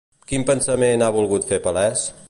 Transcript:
Quin pensament ha volgut fer palès?